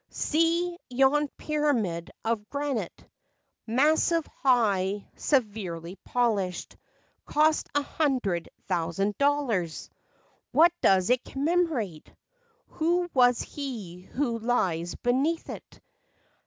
See yon pyramid of granite, Massive, high, severely polished; Cost a hundred thousand dollars ! What does it commemorate ? Who was he who lies beneath it